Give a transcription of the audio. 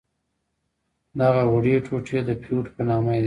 دغه وړې ټوټې د فیوډ په نامه یادیدلې.